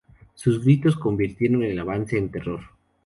Sus gritos convirtieron el avance en terror.